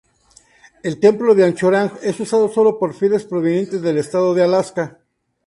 El templo de Anchorage es usado solo por fieles provenientes del estado de Alaska.